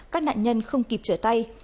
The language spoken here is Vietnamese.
các nạn nhân không kịp trở tay